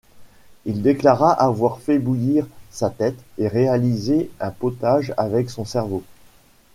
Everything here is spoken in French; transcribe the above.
Il déclara avoir fait bouillir sa tête et réalisé un potage avec son cerveau.